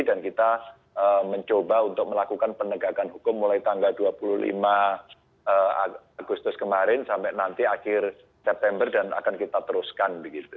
dan kita mencoba untuk melakukan penegakan hukum mulai tanggal dua puluh lima agustus kemarin sampai nanti akhir september dan akan kita teruskan